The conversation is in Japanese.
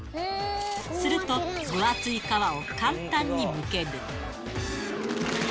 すると、分厚い皮を簡単にむける。